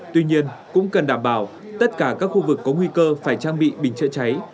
tuy nhiên cũng cần đảm bảo tất cả các khu vực có nguy cơ phải trang bị bình chữa cháy